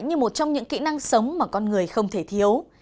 như một trong những kỹ năng sống mà con người không thể thiếu